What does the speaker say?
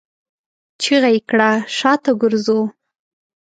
چيغه يې کړه! شاته ګرځو!